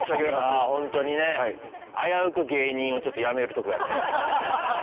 いやあホントにね危うく芸人をちょっとやめるとこやってんけど。